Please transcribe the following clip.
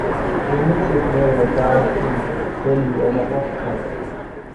Limited Mehra died in Delhi of a heart attack.